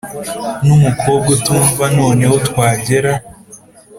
Numukobwa utumva noneho twagera